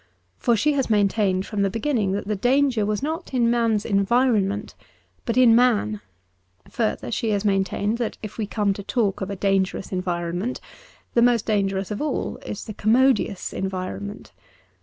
For she has maintained from the beginning that the danger was not in man's environ ment, but in man. Further, she has maintained that if we come to talk of a dangerous environment, the most dangerous of all is the commodious en vironment.